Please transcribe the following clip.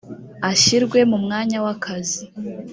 ashyirwe mu mwanya w akazi